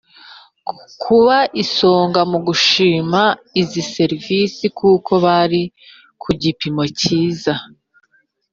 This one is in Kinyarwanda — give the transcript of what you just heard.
ku isonga mu gushima izi serivisi kuko bari ku gipimo cyiza